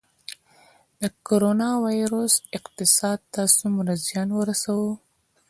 د کرونا ویروس اقتصاد ته څومره زیان ورساوه؟